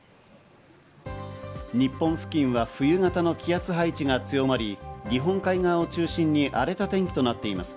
日本付近は冬型の気圧配置が強まり、日本海側を中心に荒れた天気となっています。